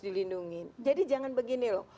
dilindungi jadi jangan begini loh